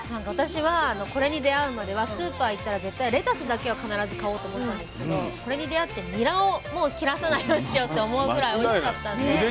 私はこれに出会うまではスーパー行ったら絶対レタスだけは必ず買おうと思ってたんですけどこれに出会ってニラをもう切らさないようにしようと思うぐらいおいしかったんで。